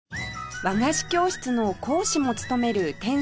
和菓子教室の講師も務める店主の二瓶さん